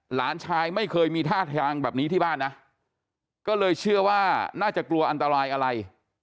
หลานชายไม่เคยมีท่าทางแบบนี้ที่บ้านนะก็เลยเชื่อว่าน่าจะกลัวอันตรายอะไร